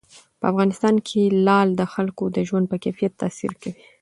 په افغانستان کې لعل د خلکو د ژوند په کیفیت تاثیر کوي.